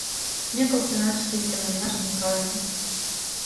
Ме коктынат шке семынна шонкаленна.